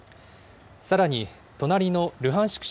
さらに隣のルハンシク